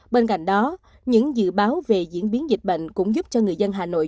bên cạnh đó những dự báo về diễn biến dịch bệnh cũng giúp cho người dân hà nội